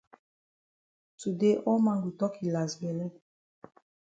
Today all man go tok yi las bele